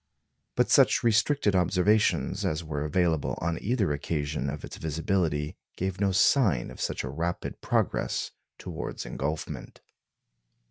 But such restricted observations as were available on either occasion of its visibility gave no sign of such a rapid progress towards engulfment.